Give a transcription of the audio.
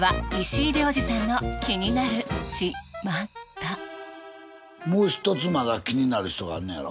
ここからはもう１つまだ気になる人があんねやろ？